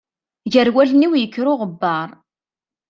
Gar wallen-iw yekker uɣebbaṛ.